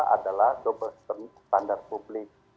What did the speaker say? adalah double standard publik